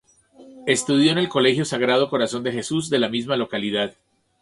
Estudió en el Colegio Sagrado Corazón de Jesús, de la misma localidad.